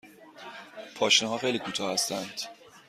پاشنه ها خیلی کوتاه هستند.